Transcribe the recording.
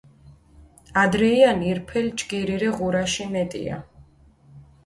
ადრეიანი ირფელი ჯგირი რე ღურაში მეტია.